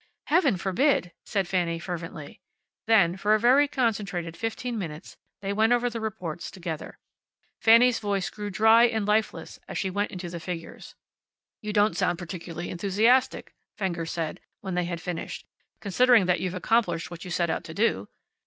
"Heaven forbid," said Fanny, fervently. Then, for a very concentrated fifteen minutes they went over the reports together. Fanny's voice grew dry and lifeless as she went into figures. "You don't sound particularly enthusiastic," Fenger said, when they had finished, "considering that you've accomplished what you set out to do."